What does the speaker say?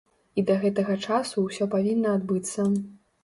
І да гэтага часу ўсё павінна адбыцца.